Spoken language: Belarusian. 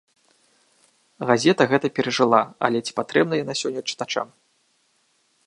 Газета гэта перажыла, але ці патрэбна яна сёння чытачам?